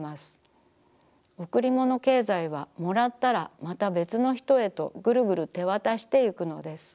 贈りもの経済はもらったらまた別のひとへとぐるぐる手渡してゆくのです。